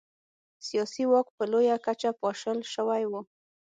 سیاسي واک په لویه کچه پاشل شوی و.